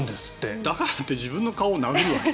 だからって自分の顔を殴るわけ？